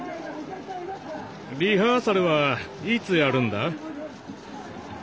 「リハーサルはいつやるんだ？」。